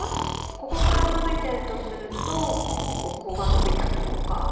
ここから伸びてるとするとここが伸びたとこか。